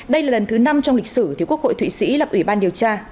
đây là lần thứ năm trong lịch sử quốc hội thụy sĩ lập ủy ban điều tra